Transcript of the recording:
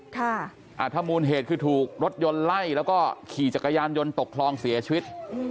ถ้ามูลเหตุคือถูกรถยนต์ไล่แล้วก็ขี่จักรยานยนต์ตกคลองเสียชีวิต